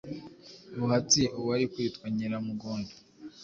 Buhatsi, Uwari kwitwa Nyiramugondo,